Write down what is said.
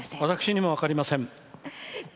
私にも分かります。